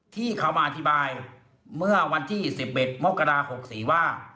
ที่เขามาอธิบายเมื่อวันที่สิบเอ็ดเมาะกระดาษหกสี่ว่า